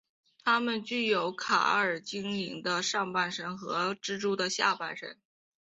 他们具有卓尔精灵的上半身和蜘蛛的下半身。